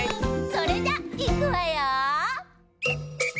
それじゃいくわよ。